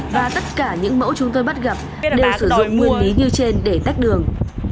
và tất cả những mẫu chúng tôi bắt gặp đều sử dụng nguyên lý như trên để tách đường